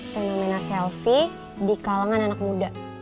fenomena selfie di kalangan anak muda